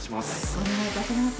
お願いいたします。